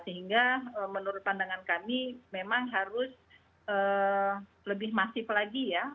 sehingga menurut pandangan kami memang harus lebih masif lagi ya